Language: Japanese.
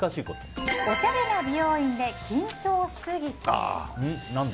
おしゃれな美容院で緊張しすぎて。